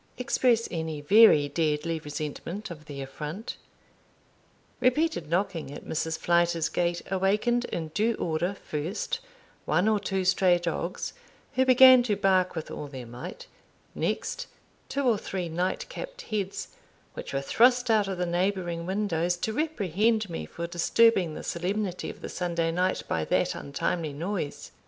express any very deadly resentment of the affront. Repeated knocking at Mrs. Flyter's gate awakened in due order, first, one or two stray dogs, who began to bark with all their might; next two or three night capped heads, which were thrust out of the neighbouring windows to reprehend me for disturbing the solemnity of the Sunday night by that untimely noise.